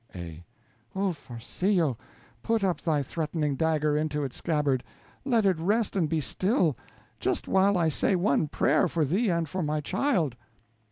A. Oh, Farcillo, put up thy threatening dagger into its scabbard; let it rest and be still, just while I say one prayer for thee and for my child.